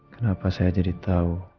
kenapa saya jadi tahu